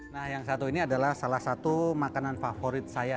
nah yang satu ini adalah salah satu makanan favorit saya